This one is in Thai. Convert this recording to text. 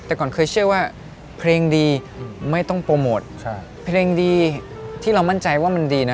แต่ก่อนเคยเชื่อว่าเพลงดีไม่ต้องโปรโมทใช่เพลงดีที่เรามั่นใจว่ามันดีนะ